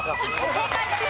正解です。